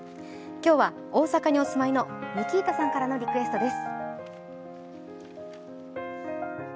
今日は大阪にお住まいのミキータさんからのリクエストです。